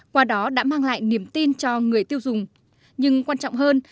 qua đó đã mang lại niềm tin cho người tiêu dùng nhưng quan trọng hơn